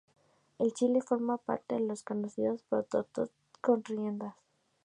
En Chile forman parte de los conocidos porotos con riendas.